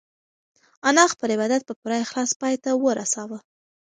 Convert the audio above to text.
انا خپل عبادت په پوره اخلاص پای ته ورساوه.